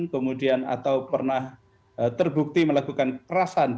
kemudian atau pernah terbukti melakukan kerasan